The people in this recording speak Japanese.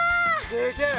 でけえ。